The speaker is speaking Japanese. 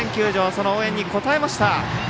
その応援に応えました。